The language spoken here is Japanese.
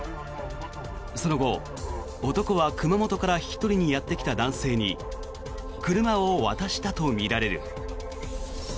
その後男は、熊本から引き取りにやってきた男性に車を渡したとみられる。